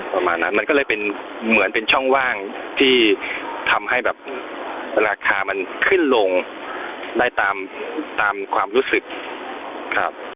ประมาณนั้นมันก็เลยเป็นเหมือนเป็นช่องว่างที่ทำให้แบบราคามันขึ้นลงได้ตามตามความรู้สึกครับ